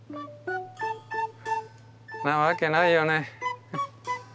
なわけないよね。